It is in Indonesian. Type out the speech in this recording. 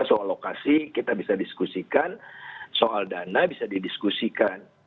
soal lokasi kita bisa diskusikan soal dana bisa didiskusikan